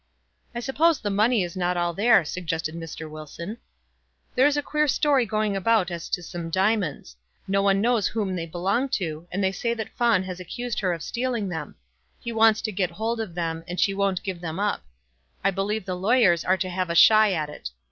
"I suppose the money is not all there," suggested Mr. Wilson. "There's a queer story going about as to some diamonds. No one knows whom they belong to, and they say that Fawn has accused her of stealing them. He wants to get hold of them, and she won't give them up. I believe the lawyers are to have a shy at it.